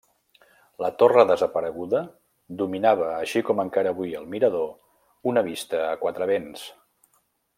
La torre desapareguda dominava així com encara avui el mirador una vista a quatre vents.